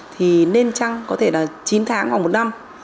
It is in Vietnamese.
thì nên trăng có thể là chín tháng hoặc một năm